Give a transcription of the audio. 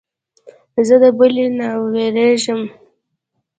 زه د بلې نه وېرېږم.